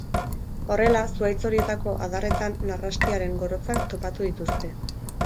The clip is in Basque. Horrela, zuhaitz horietako adarretan narrastiaren gorotzak topatu dituzte.